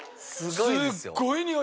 すっごいにおい。